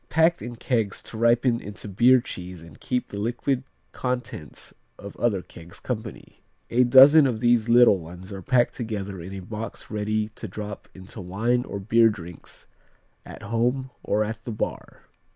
Packed in kegs to ripen into beer cheese and keep the liquid contents of other kegs company. A dozen of these little ones are packed together in a box ready to drop into wine or beer drinks at home or at the bar.